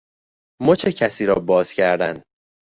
مچ کسی را باز کردن